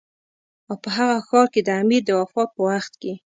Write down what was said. او په هغه ښار کې د امیر د وفات په وخت کې.